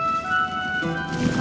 ya makasih kak